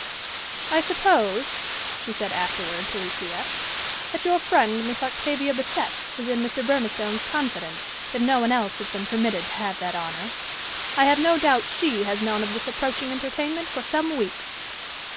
"I suppose," she said afterward to Lucia, "that your friend Miss Octavia Bassett is in Mr. Burmistone's confidence, if no one else has been permitted to have that honor. I have no doubt she has known of this approaching entertainment for some weeks."